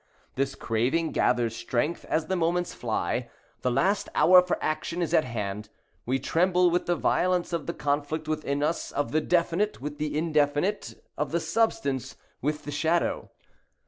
This craving gathers strength as the moments fly. The last hour for action is at hand. We tremble with the violence of the conflict within us,—of the definite with the indefinite—of the substance with the shadow.